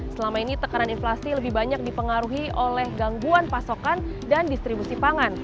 selama ini tekanan inflasi lebih banyak dipengaruhi oleh gangguan pasokan dan distribusi pangan